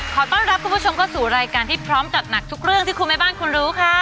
ขอต้อนรับคุณผู้ชมเข้าสู่รายการที่พร้อมจัดหนักทุกเรื่องที่คุณแม่บ้านคุณรู้ค่ะ